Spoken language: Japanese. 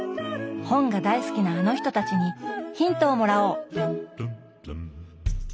本が大好きなあの人たちにヒントをもらおう！